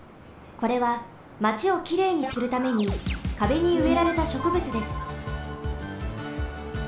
これはマチをきれいにするためにかべにうえられたしょくぶつです。